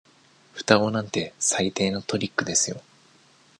双子なんて最低のトリックですよ。